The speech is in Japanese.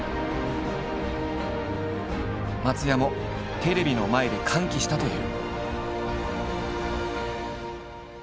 松也もテレビの前で歓喜したという。